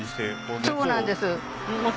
そうなんです。